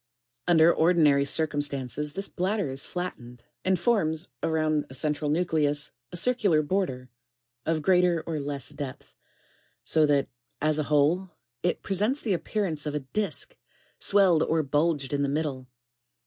[ Under ordinary circumstances, this bladder is flattened, and forms, around a central nucleus, a circular border, of greater or less depth, so that, as a whole, it presents the appearance of a disk, (a.) swelled or bulged in the middle.